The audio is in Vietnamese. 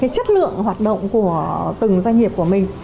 chất lượng hoạt động của từng doanh nghiệp của mình